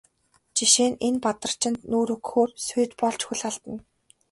Жишээ нь энэ Бадарчид нүүр өгөхөөр сүйд болж хөл алдана.